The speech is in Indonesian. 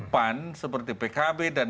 pan seperti pkb dan